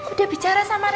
udah bicara sama randy